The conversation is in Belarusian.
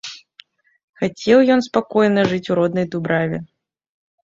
Хацеў ён спакойна жыць у роднай дубраве.